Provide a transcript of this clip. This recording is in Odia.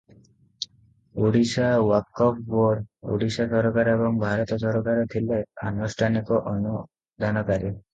ଓଡ଼ିଶା ୱାକଫ ବୋର୍ଡ଼, ଓଡ଼ିଶା ସରକାର ଏବଂ ଭାରତ ସରକାର ଥିଲେ ଆନୁଷ୍ଠାନିକ ଅନୁଦାନକାରୀ ।